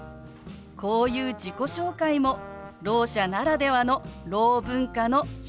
こういう自己紹介もろう者ならではのろう文化の一つなんです。